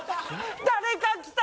誰か来た！